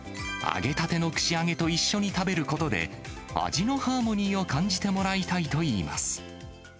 揚げたての串揚げと一緒に食べることで、味のハーモニーを感じてもらいたいといいます。